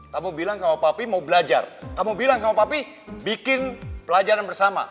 kamu bilang sama papi mau belajar kamu bilang sama papi bikin pelajaran bersama